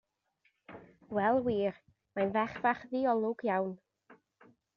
Wel wir, mae'n ferch fach ddiolwg iawn.